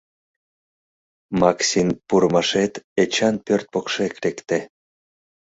Максин пурымашет Эчан пӧрт покшек лекте.